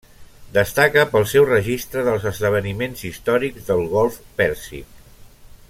Destaca pel seu registre dels esdeveniments històrics del Golf Pèrsic.